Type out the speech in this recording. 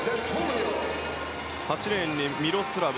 ８レーンにミロスラブ。